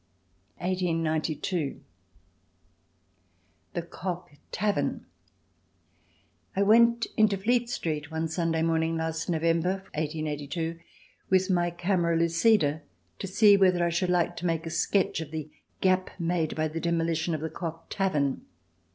[1892.] The Cock Tavern I went into Fleet Street one Sunday morning last November with my camera lucida to see whether I should like to make a sketch of the gap made by the demolition of the Cock Tavern.